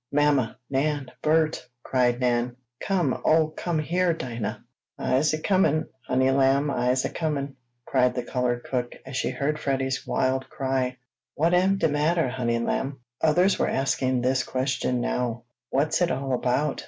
"Mamma! Nan! Bert!" cried Nan. "Come, oh, come here! Dinah!" "I'se comin', honey lamb! I'se comin'!" cried the colored cook, as she heard Freddie's wild cry. "What am de mattah, honey lamb?" Others were asking this question now. "What's it all about?"